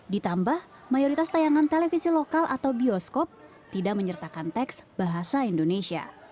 ditambah mayoritas tayangan televisi lokal atau bioskop tidak menyertakan teks bahasa indonesia